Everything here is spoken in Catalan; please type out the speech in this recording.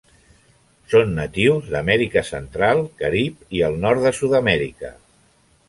Són natius d'Amèrica central, Carib i el nord de Sud-amèrica.